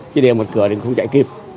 khi đề một cửa thì không chạy kịp